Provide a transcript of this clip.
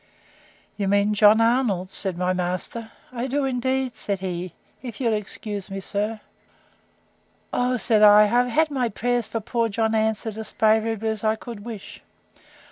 You mean John Arnold? said my master. I do, indeed, said he, if you'll excuse me, sir. O, said I, I have had my prayer for poor John answered, as favourably as I could wish.